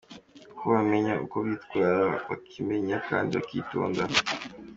ko bamenya uko bitwara, bakimenya kandi bakitonda.